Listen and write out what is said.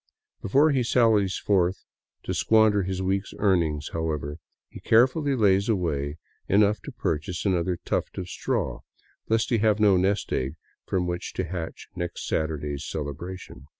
Before he sallies forth to squander his week's earnings, however, he carefully lays away enough to purchase another tuft of " straw," lest he have no nest egg from which to hatch next Saturday's celebration.